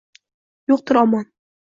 Yo’qdir omon